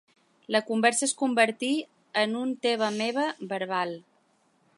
La conversa es convertí en un teva-meva verbal.